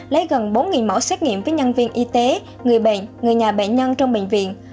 lấy gần bốn mẫu xét nghiệm với nhân viên y tế người bệnh người nhà bệnh nhân trong bệnh viện